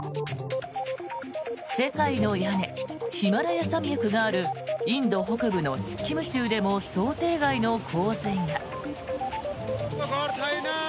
世界の屋根、ヒマラヤ山脈があるインド北部のシッキム州でも想定外の洪水が。